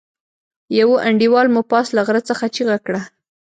يوه انډيوال مو پاس له غره څخه چيغه کړه.